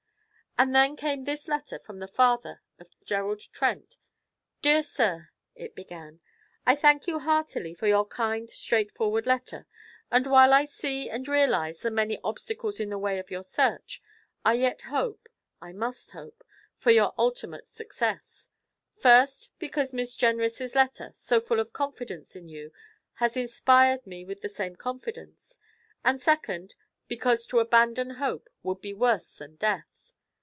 And then came this letter from the father of Gerald Trent: 'DEAR SIR,' it began, 'I thank you heartily for your kind straightforward letter, and while I see and realize the many obstacles in the way of your search, I yet hope I must hope for your ultimate success; first, because Miss Jenrys' letter, so full of confidence in you, has inspired me with the same confidence; and, second, because to abandon hope would be worse than death.